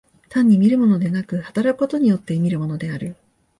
単に見るものでなく、働くことによって見るものである。